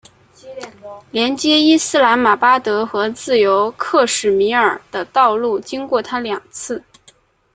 连接伊斯兰马巴德与自由克什米尔的道路经过它两次。